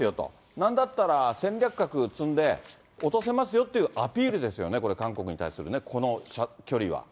なんだったら戦略核積んで落とせますよっていうアピールですよね、これ、韓国に対するね、この距離は。